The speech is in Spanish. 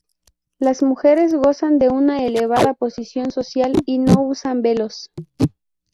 Las mujeres gozan de una elevada posición social y no usan velos.